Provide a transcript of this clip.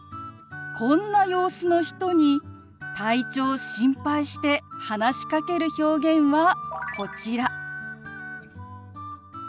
こんな様子の人に体調を心配して話しかける表現はこちら。